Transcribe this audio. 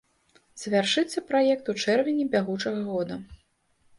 Завяршыцца праект у чэрвені бягучага года.